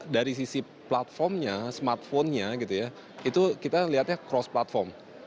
dari sisi platformnya smartphone nya gitu ya itu kita lihatnya cross platform